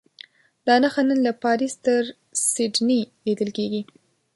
دا نښه نن له پاریس تر سیډني لیدل کېږي.